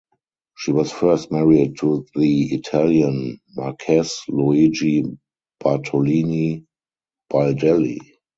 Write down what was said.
She was first married to the Italian Marquess Luigi Bartolini-Baldelli.